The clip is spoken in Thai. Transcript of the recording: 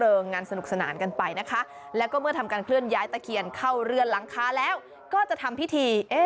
งานสนุกสนานกันไปนะคะแล้วก็เมื่อทำการเคลื่อนย้ายตะเคียนเข้าเรือนหลังคาแล้วก็จะทำพิธี